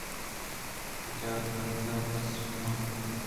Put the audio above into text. بچار رندا پشومان بئے